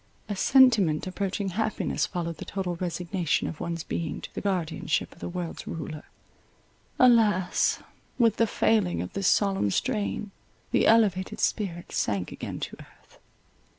A sentiment approaching happiness followed the total resignation of one's being to the guardianship of the world's ruler. Alas! with the failing of this solemn strain, the elevated spirit sank again to earth.